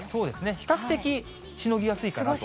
比較的、しのぎやすいかなと。